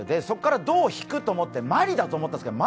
そこからどう引くと思って、マリだと思ったんです。